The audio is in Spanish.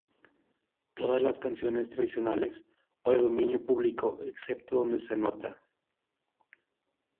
Todas las canciones tradicionales o de dominio público excepto donde se anota.